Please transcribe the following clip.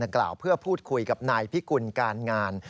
กล่าวเพื่อพูดคุยกับนายพิกุลการงาน